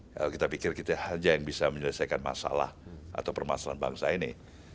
kalau kita pikir kita saja yang bisa menyelesaikan masalah atau permasalahan bangsa ini